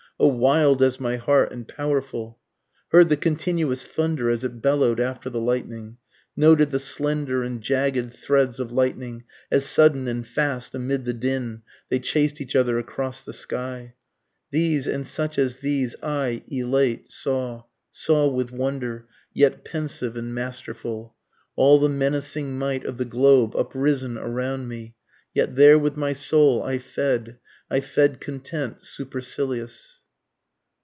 O wild as my heart, and powerful!) Heard the continuous thunder as it bellow'd after the lightning, Noted the slender and jagged threads of lightning as sudden and fast amid the din they chased each other across the sky; These, and such as these, I, elate, saw saw with wonder, yet pensive and masterful, All the menacing might of the globe uprisen around me, Yet there with my soul I fed, I fed content, supercilious.